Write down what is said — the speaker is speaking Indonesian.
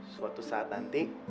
suatu saat nanti